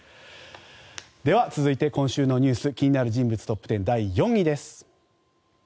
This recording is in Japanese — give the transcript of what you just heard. では、続いて今週の気になる人物トップ１０第４位です。